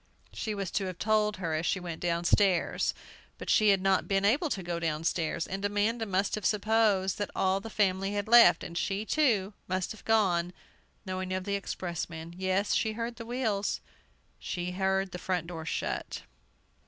She was to have told her as she went downstairs. But she had not been able to go downstairs! And Amanda must have supposed that all the family had left, and she, too, must have gone, knowing of the expressman. Yes, she heard the wheels! She heard the front door shut!